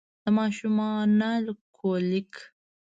د ماشومانه کولیک